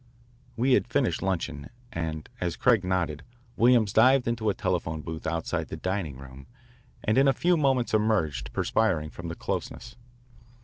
We had finished luncheon and, as Craig nodded, Williams dived into a telephone booth outside the dining room and in a few moments emerged, perspiring from the closeness.